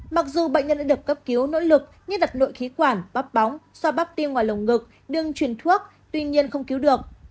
mặc dù bệnh nhân đã được cấp cứu nỗ lực như đặt nội khí quản bắp bóng xoa bắp tiêm ngoài lồng ngực đừng chuyển thuốc tuy nhiên không cứu được